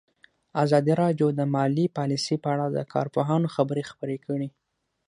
ازادي راډیو د مالي پالیسي په اړه د کارپوهانو خبرې خپرې کړي.